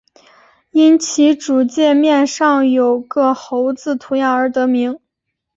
因其主界面上有个猴子图样而得名。